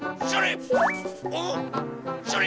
それ！